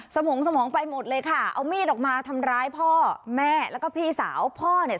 โมงสมองไปหมดเลยค่ะเอามีดออกมาทำร้ายพ่อแม่แล้วก็พี่สาวพ่อเนี่ย